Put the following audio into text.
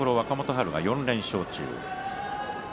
春が４連勝中です。